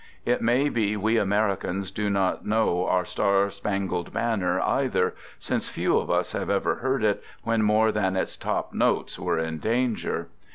It may be we Americans do not know our Star Spangled Ban ner either, since few of us have ever heard it when more than its top notes were in danger.